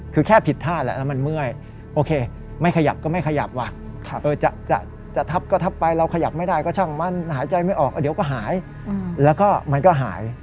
คือแค่ผิดท่าแหละแล้วมันเมื่อยโอเคไม่ขยับก็ไม่ขยับว่ะจะทับก็ทับไปเราขยับไม่ได้ก็ช่างมันหายใจไม่ออกเดี๋ยวก็หายแล้วก็มันก็หาย